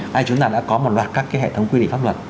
hay chúng ta đã có một loạt các cái hệ thống quy định pháp luật